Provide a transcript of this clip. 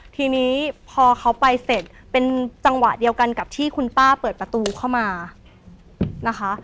ทีนี้พอเขาไปเสร็จเป็นจังหวะเดียวกันกับที่คุณป้าเปิดประตูเข้ามานะคะ